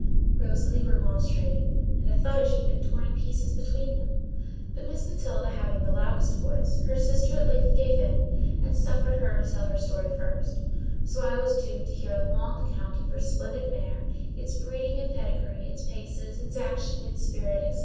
Rosalie remonstrated, and I thought I should have been torn in pieces between them; but Miss Matilda having the loudest voice, her sister at length gave in, and suffered her to tell her story first: so I was doomed to hear a long account of her splendid mare, its breeding and pedigree, its paces, its action, its spirit, &c.